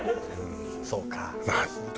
そうか。